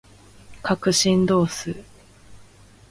角振動数